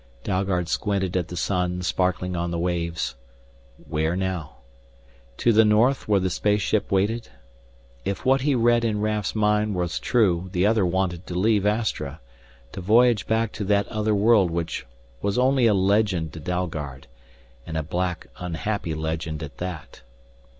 Dalgard squinted at the sun sparkling on the waves. Where now? To the north where the space ship waited? If what he read in Raf's mind was true the other wanted to leave Astra, to voyage back to that other world which was only a legend to Dalgard, and a black, unhappy legend at that.